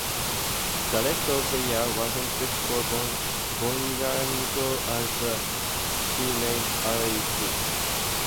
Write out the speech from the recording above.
The rest of the year wasn't good for Bondarenko as she made early exits.